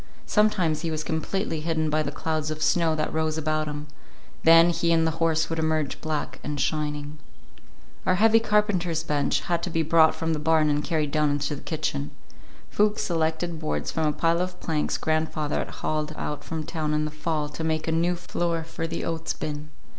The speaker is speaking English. Sometimes he was completely hidden by the clouds of snow that rose about him; then he and the horses would emerge black and shining. Our heavy carpenter's bench had to be brought from the barn and carried down into the kitchen. Fuchs selected boards from a pile of planks grandfather had hauled out from town in the fall to make a new floor for the oats bin.